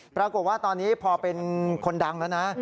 ปรากฏว่าตอนนี้พอเป็นคนดังแล้วนะ